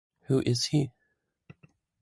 Who is he?